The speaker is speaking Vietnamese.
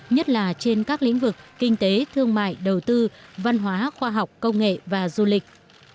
nhất là trên các lĩnh vực kinh tế thương mại đầu tư văn hóa khoa học công nghệ và du lịch